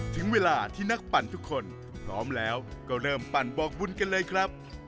ถึงเวลาที่นักปั่นทุกคนพร้อมแล้วก็เริ่มปั่นบอกบุญกันเลยครับ